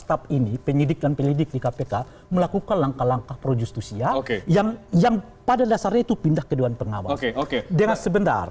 staf staf ini penyelidik dan penyelidik di kpk melakukan langkah langkah pro justusia yang pada dasarnya itu pindah ke dewan pengawas